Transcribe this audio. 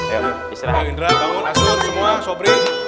ayo indra bangun asun semua sobri